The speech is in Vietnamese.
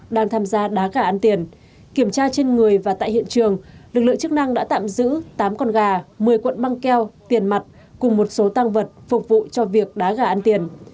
đang tham gia đá gà ăn tiền kiểm tra trên người và tại hiện trường lực lượng chức năng đã tạm giữ tám con gà một mươi cuộn băng keo tiền mặt cùng một số tăng vật phục vụ cho việc đá gà ăn tiền